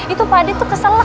itu pade tuh kesel